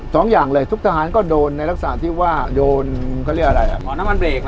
สองอย่างเลยทุกทหารก็โดนในลักษณะที่ว่าโดนเขาเรียกอะไรอ่ะหมอน้ำมันเบรกอ่ะ